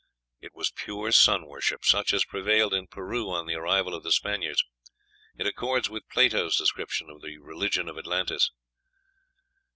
It was pure sun worship, such as prevailed in Peru on the arrival of the Spaniards. It accords with Plato's description of the religion of Atlantis.